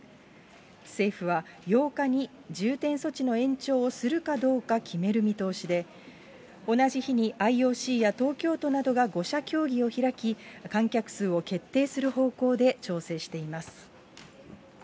政府は、８日に重点措置の延長をするかどうか決める見通しで、同じ日にＩＯＣや東京都などが５者協議を開き、観客数を決定する方向で調整しています。